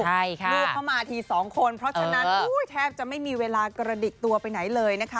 ใช่ค่ะลูกเข้ามาทีสองคนเพราะฉะนั้นแทบจะไม่มีเวลากระดิกตัวไปไหนเลยนะคะ